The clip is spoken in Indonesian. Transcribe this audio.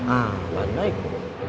nah mana itu